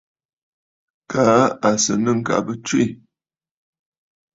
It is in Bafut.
Kaa à sɨ̀ nɨ̂ ŋ̀kabə tswê.